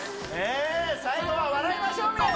最後は笑いましょう